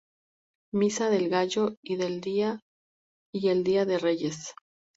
Misa del Gallo y el Día de Reyes.